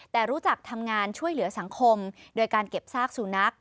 แต่รู้จักทำงานช่วยเหลือสังคมโดยการเก็บซากสุนัข